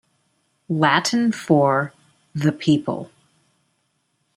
Latin for "the People".